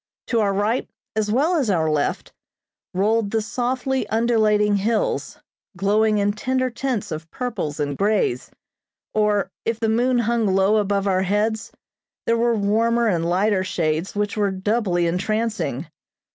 To our right, as well as our left, rolled the softly undulating hills, glowing in tender tints of purples and greys, or, if the moon hung low above our heads, there were warmer and lighter shades which were doubly entrancing.